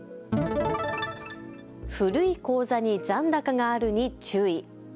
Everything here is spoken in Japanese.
古い口座に残高があるに注意。